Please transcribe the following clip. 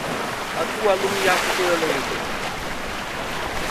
Atu-a lum yafɨ kɨ ghelɨ ghɨ̀ jɨ̀m.